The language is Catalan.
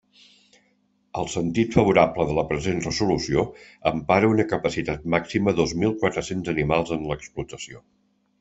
El sentit favorable de la present resolució empara una capacitat màxima dos mil quatre-cents animals en l'explotació.